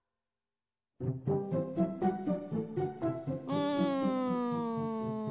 うん。